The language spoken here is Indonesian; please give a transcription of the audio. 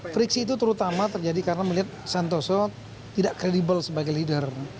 friksi itu terutama terjadi karena melihat santoso tidak kredibel sebagai leader